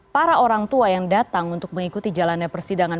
para orang tua yang datang untuk mengikuti jalannya persidangan